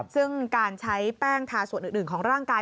ซึ่งการใช้แป้งทาส่วนอื่นของร่างกาย